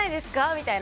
みたいな。